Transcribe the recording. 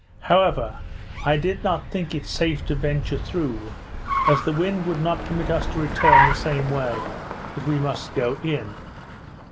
However, I did not think it safe to venture through, as the wind would not permit us to return the same way that we must go in.